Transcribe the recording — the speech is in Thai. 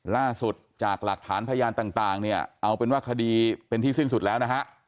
ล่าสุดจากหลักฐานพยานต่างเนี่ยเอาเป็นว่าคดีเป็นที่สิ้นสุดแล้วนะฮะ